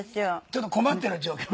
ちょっと困っている状況。